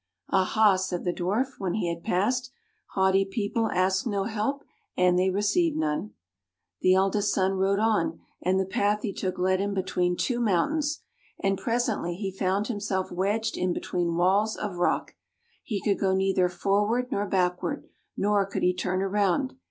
" A ha," said the Dwarf, when he had passed. " Haughty people ask no help and they receive none! " The eldest son rode on, and the path he took led him between two mountains; and presently he found himself wedged in be tween walls of rock. He could go neither forward nor backward, nor could he turn around.